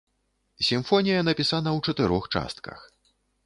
Сімфонія напісана ў чатырох частках.